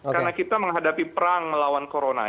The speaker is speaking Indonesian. karena kita menghadapi perang melawan corona